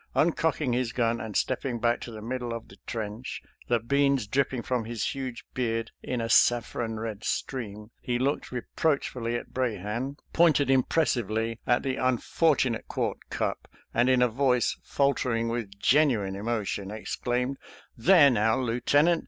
Uncock ing his gun and stepping back to the middle of the trench, the beans dripping from his huge beard in a saffron red stream, he looked reproach fully at Brahan, pointed impressively at the un fortunate quart cup, and in a voice faltering with genuine emotion exclaimed, " There now, Lieutenant!